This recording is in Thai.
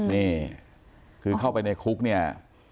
นี่คือเข้าไปในคุกเนี่ย